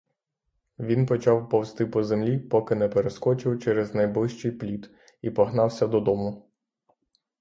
Він почав повзти по землі, поки не перескочив через найближчий пліт і погнався додому.